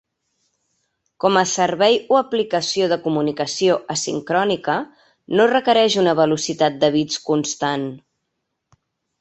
Com a servei o aplicació de comunicació asincrònica, no requereix una velocitat de bits constant.